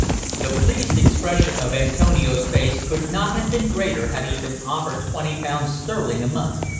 The pleased expression of Antonio's face could not have been greater had he been offered twenty pounds sterling a month.